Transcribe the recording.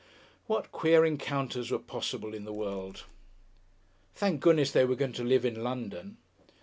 What queer encounters were possible in the world! Thank goodness, they were going to live in London!